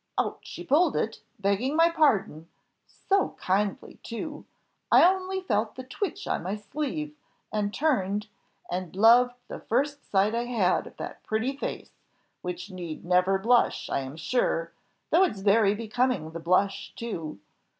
Out she pulled it, begging my pardon; so kindly too, I only felt the twitch on my sleeve, and turned, and loved the first sight I had of that pretty face, which need never blush, I am sure, though it's very becoming the blush too.